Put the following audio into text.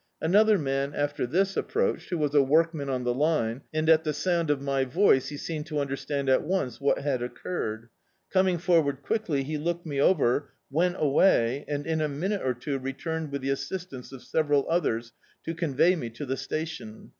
Another man, after this, approached, who was a workman on the line, and at the sound of my voice he seemed to understand at once what had occurred. Coming forward quickly, he looked me over, went away, aiul in a minute or two returned with the assistance of several others to convey me to the sta tion.